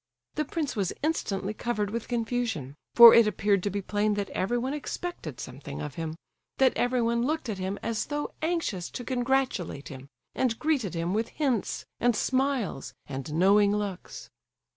The prince was instantly covered with confusion; for it appeared to be plain that everyone expected something of him—that everyone looked at him as though anxious to congratulate him, and greeted him with hints, and smiles, and knowing looks.